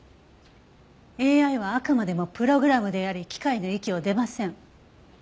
ＡＩはあくまでもプログラムであり機械の域を出ません。